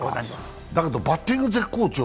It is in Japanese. だけどバッティング絶好調。